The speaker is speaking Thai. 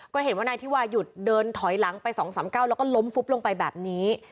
ก็เห็นว่านายธิวาหยุดเดินถอยหลังไป๒๓๙แล้วก็ล้มฟุบลงไปแบบนี้